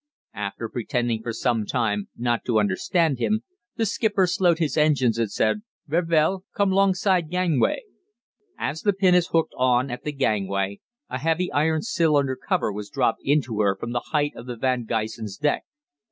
After pretending for some time not to understand him, the skipper slowed his engines and said, 'Ver vel, come 'longside gangway.' As the pinnace hooked on at the gangway, a heavy iron cylinder cover was dropped into her from the height of the 'Van Gysen's' deck.